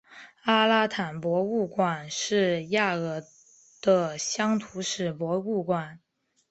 阿拉坦博物馆是亚尔的乡土史博物馆。